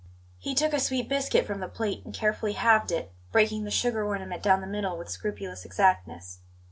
He took a sweet biscuit from the plate and carefully halved it, breaking the sugar ornament down the middle with scrupulous exactness.